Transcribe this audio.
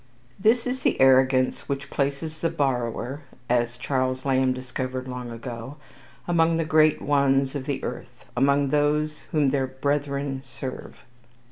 This is the arrogance which places the borrower, as Charles Lamb discovered long ago, among the great ones of the earth, among those whom their brethren serve.